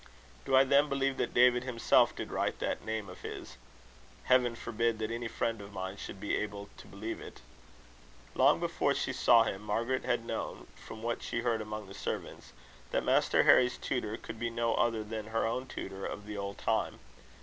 Do I then believe that David himself did write that name of his? Heaven forbid that any friend of mine should be able to believe it! Long before she saw him, Margaret had known, from what she heard among the servants, that Master Harry's tutor could be no other than her own tutor of the old time.